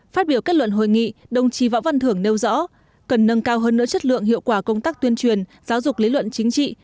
phát biểu kết luận hội nghị đồng chí võ văn thưởng nêu rõ cần nâng cao hơn nữa chất lượng hiệu quả công tác tuyên truyền giáo dục lý luận chính trị